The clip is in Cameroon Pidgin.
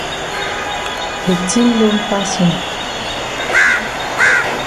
De tin don pass me.